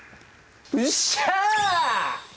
うっしゃ！